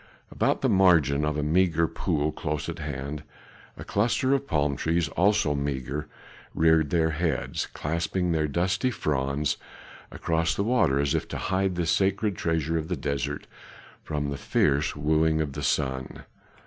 About the margin of a meagre pool close at hand a cluster of palm trees also meagre reared their heads, clasping their dusty fronds across the water as if to hide this sacred treasure of the desert from the fierce wooing of the sun.